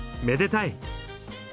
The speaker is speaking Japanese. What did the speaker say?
めでたい！